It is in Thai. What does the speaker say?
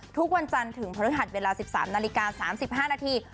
ทุกวันจันทร์ถึงพฤหัสเวลา๑๓นาฬิกา๓๕นาที